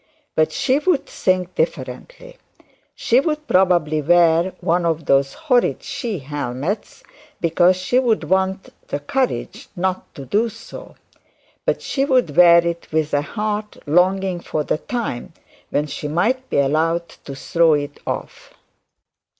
But she would think differently. She'd probably wear one of those horrid she helmets, because she'd want the courage not to do so; but she'd wear it with a heart longing for the time when she might be allowed to throw it off.